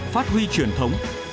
phát huy truyền thống